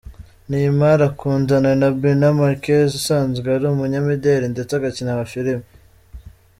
Neymar akundana na Bruna Marquez usanzwe ari umunyamideli ndetse agakina amafilimi.